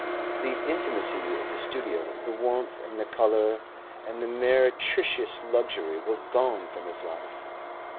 The intimacy of the studio, the warmth and the colour and the meretricious luxury were gone from his life.